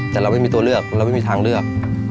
แต่เราไม่มีตัวเลือกเราไม่มีทางเลือก